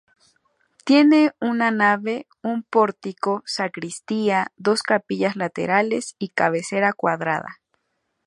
Tiene una nave, un pórtico, sacristía, dos capillas laterales y cabecera cuadrada.